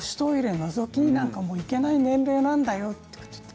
のぞきになんか行けない年齢なんだよって。